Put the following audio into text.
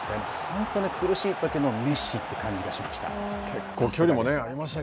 本当苦しいときのメッシという感じがしました。